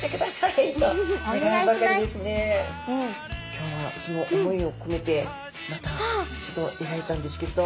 今日はその思いをこめてまたちょっとえがいたんですけれど。